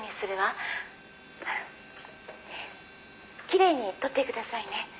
「きれいに撮ってくださいね」